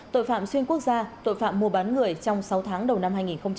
tội phạm xuyên quốc gia tội phạm mùa bán người trong sáu tháng đầu năm hai nghìn một mươi chín